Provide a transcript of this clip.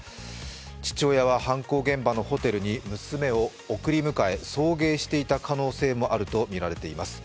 父親は犯行現場のホテルに娘を送迎していた可能性もあるといわれています。